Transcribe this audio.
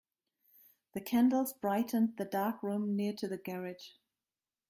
The candles brightened the dark room near to the garage.